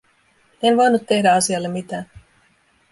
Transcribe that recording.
En voinut tehdä asialle mitään.